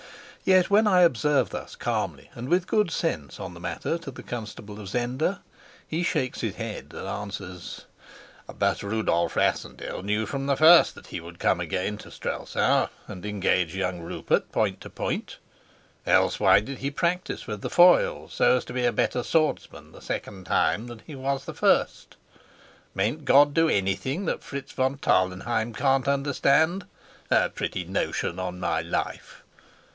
Yet when I observe thus calmly and with good sense on the matter to the Constable of Zenda, he shakes his head and answers, "But Rudolf Rassendyll knew from the first that he would come again to Strelsau and engage young Rupert point to point. Else why did he practise with the foils so as to be a better swordsman the second time than he was the first? Mayn't God do anything that Fritz von Tarlenheim can't understand? a pretty notion, on my life!"